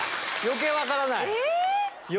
余計に分からない。